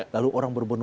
lalu orang berbunuh bunuh